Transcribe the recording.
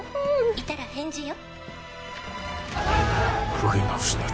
いたら返事よ」